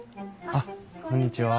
あっこんにちは。